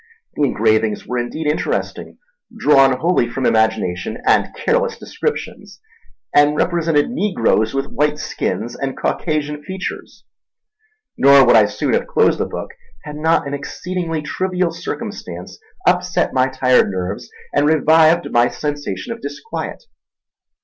The engravings were indeed interesting, drawn wholly from imagination and careless descriptions, and represented negroes with white skins and Caucasian features; nor would I soon have closed the book had not an exceedingly trivial circumstance upset my tired nerves and revived my sensation of disquiet.